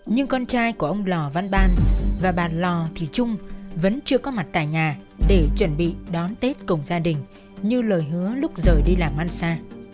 nhưng con trai của ông lò văn ban và bà lò thị trung vẫn chưa có mặt tại nhà để chuẩn bị đón tết cùng gia đình như lời hứa lúc rời đi làm ăn xa